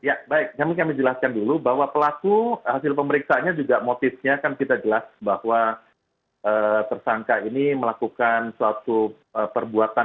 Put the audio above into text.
ya baik kami jelaskan dulu bahwa pelaku hasil pemeriksaannya juga motifnya kan kita jelas bahwa tersangka ini melakukan suatu perbuatan